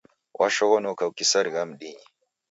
Washoghonoka ukisarigha mdinyi